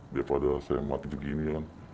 daripada saya mati begini kan